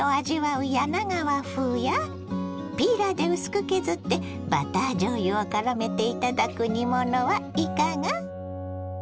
柳川風やピーラーで薄く削ってバターじょうゆをからめて頂く煮物はいかが。